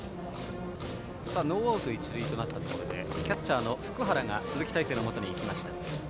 ノーアウト一塁となったところでキャッチャーの福原が行きました。